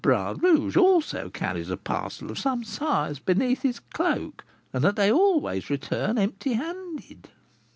Bras Rouge also carries a parcel of some size beneath his cloak, and that they always return empty handed."